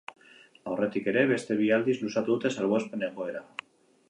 Aurretik ere beste bi aldiz luzatu dute salbuespen egoera.